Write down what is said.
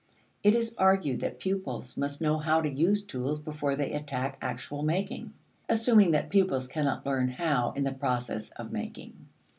It is argued that pupils must know how to use tools before they attack actual making, assuming that pupils cannot learn how in the process of making.